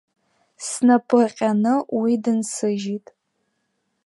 Снапы ҟьаны уи дынсыжьит.